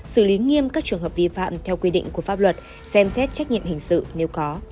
xử lý nghiêm các trường hợp vi phạm theo quy định của pháp luật xem xét trách nhiệm hình sự nếu có